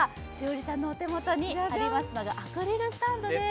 栞里さんのお手元にありますのがアクリルスタンドです。